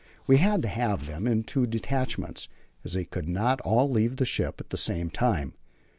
We had to have them in two detachments, as they could not all leave the ship at the same time.